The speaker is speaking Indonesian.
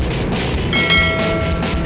ya ini selamat